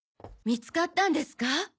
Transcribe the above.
見つかったんですか？